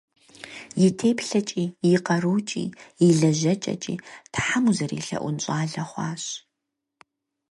И теплъэкӏи, и къарукӏи, и лэжьэкӏэкӏи Тхьэм узэрелъэӏун щӏалэ хъуащ.